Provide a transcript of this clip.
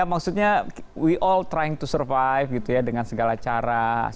maksudnya we all trying to survive gitu ya dengan segala cara